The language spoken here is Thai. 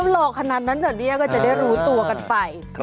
หล่อขนาดนั้นเหรอเนี่ยก็จะได้รู้ตัวกันไป